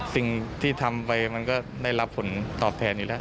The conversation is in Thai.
สิ่งที่ทำไปมันก็ได้รับผลตอบแทนอยู่แล้ว